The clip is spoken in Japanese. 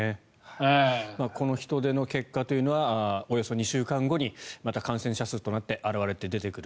この人出の結果というのはおよそ２週間後にまた感染者数となって表れて出てくる。